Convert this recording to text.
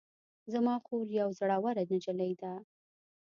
زما خور یوه زړوره نجلۍ ده